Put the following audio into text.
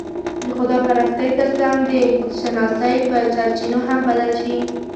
د خدا پرستۍ تر څنګ، د خودشناسۍ په سرچينو هم بدل شي